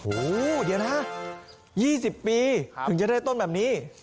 อูทีนี้เนี่ย๒๐ปีถึงจะได้ต้นแบบนี้